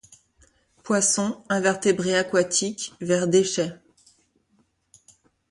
Poissons, invertébrés aquatiques, vers déchets.